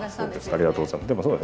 ありがとうございます。